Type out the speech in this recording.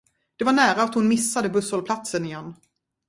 Det var nära att hon missade busshållplatsen igen.